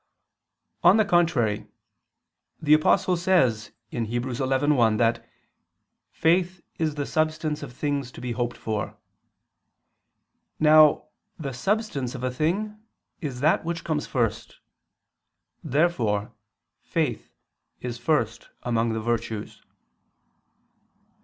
On the contrary, The Apostle says (Heb. 11:1) that "faith is the substance of things to be hoped for." Now the substance of a thing is that which comes first. Therefore faith is first among the virtues.